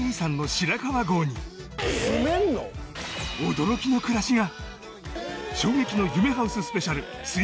驚きの暮らしが。